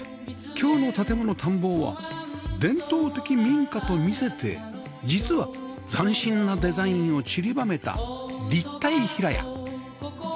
今日の『建もの探訪』は伝統的民家と見せて実は斬新なデザインをちりばめた「立体平屋」